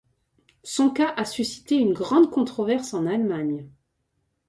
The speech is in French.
Son cas a suscité une grande controverse en Allemagne.